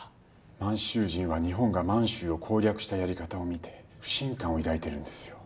満州人は日本が満州を攻略したやり方を見て不信感を抱いてるんですよ